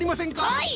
はい！